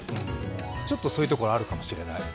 ちょっとそういうところあるかもしれない。